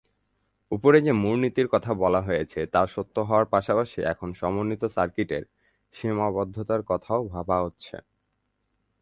উপরে যে মুর নীতির কথা বলা হয়েছে তা সত্য হওয়ার পাশাপাশি এখন সমন্বিত সার্কিটের সীমাবদ্ধতার কথাও ভাবা হচ্ছে।